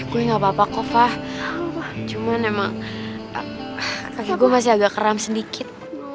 gue nggak papa kok fah cuman emang aku gue masih agak keram sedikit